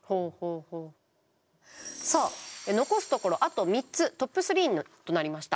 さあ残すところあと３つトップ３となりました。